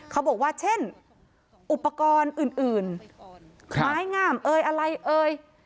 เขาบอกว่าเช่นอุปกรณ์อื่นไม้งามเอ่ยอะไรเอ่ย